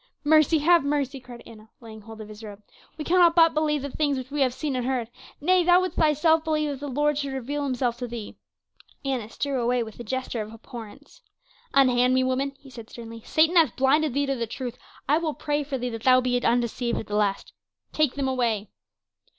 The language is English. "Mercy have mercy!" cried Anna, laying hold of his robe. "We cannot but believe the things which we have seen and heard. Nay, thou wouldst thyself believe if the Lord should reveal himself to thee." Annas drew away with a gesture of abhorrence. "Unhand me, woman," he said sternly. "Satan hath blinded thee to the truth; I will pray for thee that thou be undeceived at the last. Take them away."